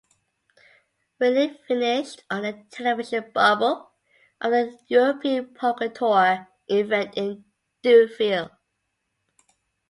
Wernick finished on the television bubble of the European Poker Tour event in Deauville.